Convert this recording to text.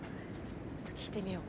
ちょっと聞いてみよう。